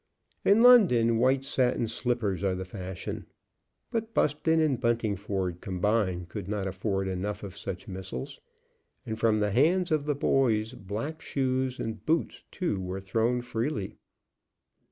In London, white satin slippers are the fashion. But Buston and Buntingford combined could not afford enough of such missiles; and from the hands of the boys black shoes, and boots too, were thrown freely.